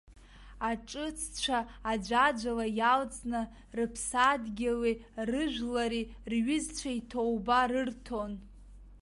Аҿыццәа аӡәаӡәала иалҵны, рыԥсадгьыли, рыжәлари, рҩызцәеи ҭоуба рырҭон.